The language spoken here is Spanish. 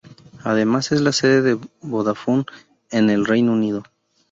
Además, es la sede de Vodafone en el Reino Unido.